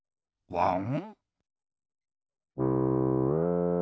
ワン！